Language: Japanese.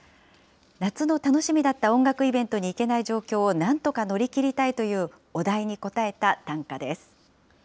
夏の楽しみだった音楽イベントに行けない状況をなんとか乗り切りたいというお題に応えた短歌です。